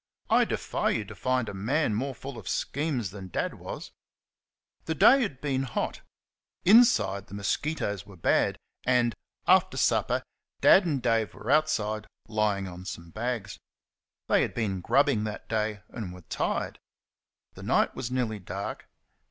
I defy you to find a man more full of schemes than Dad was. The day had been hot. Inside, the mosquitoes were bad; and, after supper, Dad and Dave were outside, lying on some bags. They had been grubbing that day, and were tired. The night was nearly dark.